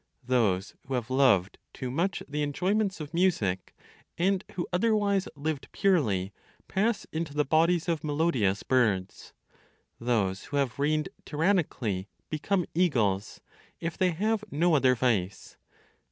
Those who have loved too much the enjoyments of music, and who otherwise lived purely, pass into the bodies of melodious birds. Those who have reigned tyrannically, become eagles, if they have no other vice.